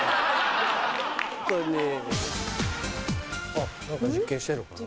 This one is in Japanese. あっ何か実験してんのかな？